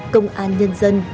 công an nhân dân